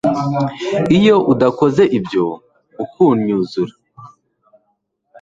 iyo udakoze ibyo ukunnyuzura